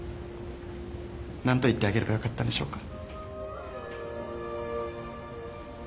何て言ってあげればよかったんでしょうか？